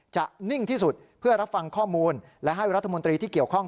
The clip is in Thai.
นิ่งที่สุดเพื่อรับฟังข้อมูลและให้รัฐมนตรีที่เกี่ยวข้อง